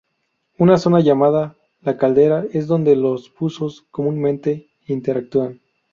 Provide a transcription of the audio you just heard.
Una zona llamada "La Caldera" es donde los buzos comúnmente interactúan.